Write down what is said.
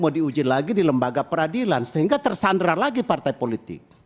mau diuji lagi di lembaga peradilan sehingga tersandra lagi partai politik